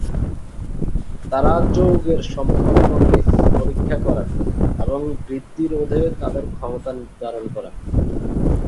তারা যৌগের সম্পর্ককে পরীক্ষা করেন এবং বৃদ্ধি রোধে তাদের দক্ষতা নির্ধারণ করেন ও জীবকে ঘিরে বিষাক্ত প্রভাব মূল্যায়ন করেন।